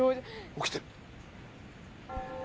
起きてる。